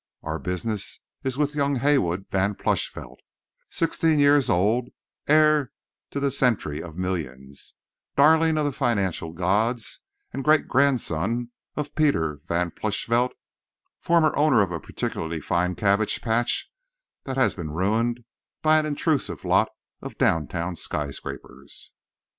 Our business is with young Haywood Van Plushvelt, sixteen years old, heir to the century of millions, darling of the financial gods and great grandson of Peter Van Plushvelt, former owner of a particularly fine cabbage patch that has been ruined by an intrusive lot of downtown skyscrapers.